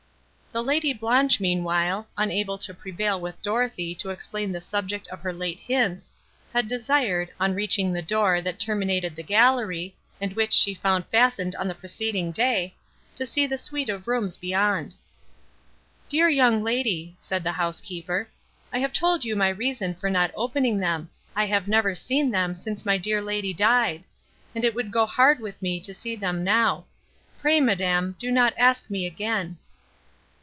The Lady Blanche, meanwhile, unable to prevail with Dorothée to explain the subject of her late hints, had desired, on reaching the door, that terminated the gallery, and which she found fastened on the preceding day, to see the suite of rooms beyond. "Dear young lady," said the housekeeper, "I have told you my reason for not opening them; I have never seen them, since my dear lady died; and it would go hard with me to see them now. Pray, madam, do not ask me again."